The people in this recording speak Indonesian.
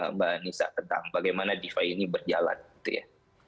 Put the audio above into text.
mbak anissa tentang bagaimana defi ini berjalan gitu ya